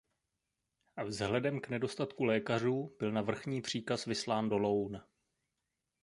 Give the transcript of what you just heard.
Vzhledem k nedostatku lékařů byl na vrchní příkaz vyslán do Loun.